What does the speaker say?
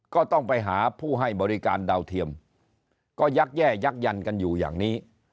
ก็ต้องไปหาผู้ให้บริการดาวเทียมก็ยักแย่ยักยันกันอยู่อย่างนี้